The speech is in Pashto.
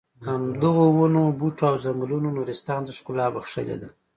همدغو ونو بوټو او ځنګلونو نورستان ته ښکلا بښلې ده.